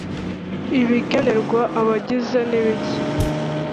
Ibigenerwa abagize nibike.